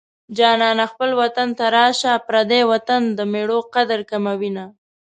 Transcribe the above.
جانانه خپل وطن ته راشه پردی وطن د مېړو قدر کموينه